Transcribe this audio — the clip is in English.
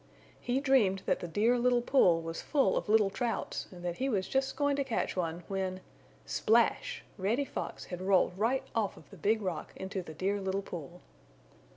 He dreamed that the Dear Little Pool was full of little Trouts and that he was just going to catch one when splash! Reddy Fox had rolled right off of the Big Rock into the Dear Little Pool.